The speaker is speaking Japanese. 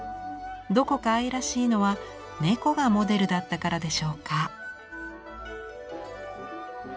どこか愛らしいのは猫がモデルだったからでしょうか。